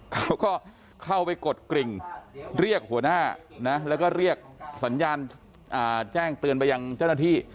เขาก็เข้าไปกดกริ่งเรียกหัวหน้านะแล้วก็เรียกสัญญาณแจ้งเตือนไปยังเจ้าหน้าที่